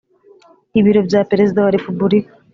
Ibiro bya Perezida wa Repubulika